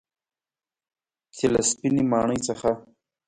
چې له سپینې ماڼۍ څخه